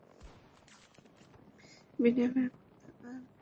বিনয়ের কথা আর ফুরাইতে চাহিল না।